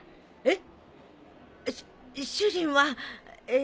えっ？